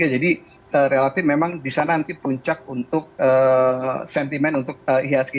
jadi relatif memang di sana nanti puncak untuk sentimen untuk ihsg